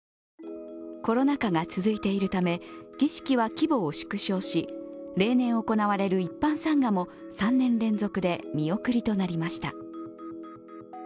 コロナ禍が続いているため儀式は規模を縮小し例年行われる一般参賀も３年連続で見送りとなりました。